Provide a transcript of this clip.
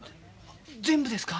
全部ですか？